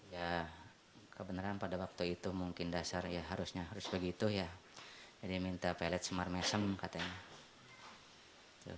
ya kebenaran pada waktu itu mungkin dasar ya harusnya harus begitu ya jadi minta pellet semar mesem katanya